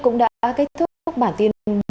cũng đã kết thúc bản tin